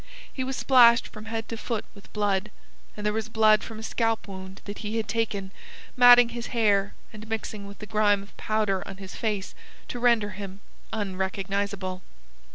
He was splashed from head to foot with blood, and there was blood from a scalp wound that he had taken matting his hair and mixing with the grime of powder on his face to render him unrecognizable.